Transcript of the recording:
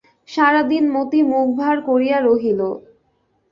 সারাদিন মতি মুখভার করিয়া রহিল।